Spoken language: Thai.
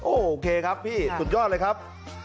โอเคครับพี่สุดยอดเลยครับ